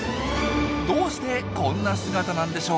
どうしてこんな姿なんでしょう？